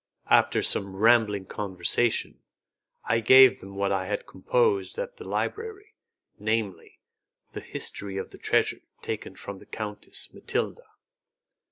After some rambling conversation, I gave them what I had composed at the library, namely, the history of the treasure taken from the Countess Mathilda.